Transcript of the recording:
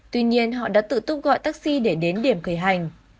tuy nhiên họ đã tự tung gọi taxi để đến điểm khởi hành